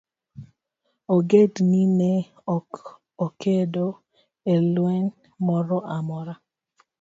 Ogendni ne ok okedo e lweny moro amora.